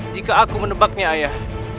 jika aku menebaknya ayah